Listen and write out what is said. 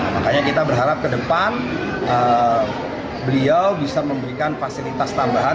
makanya kita berharap ke depan beliau bisa memberikan fasilitas tambahan